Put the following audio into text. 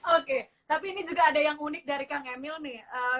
oke tapi ini juga ada yang unik dari kang emil nih